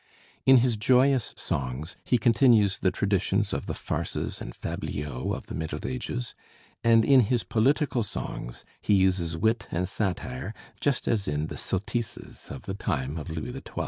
In his joyous songs he continues the traditions of the farces and fabliaux of the Middle Ages, and in his political songs he uses wit and satire just as in the sottises of the time of Louis XII.